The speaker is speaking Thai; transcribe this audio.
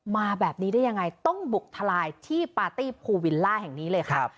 มาแบบนี้ได้ยังไงต้องบุกทลายที่ปาร์ตี้ภูวิลล่าแห่งนี้เลยค่ะ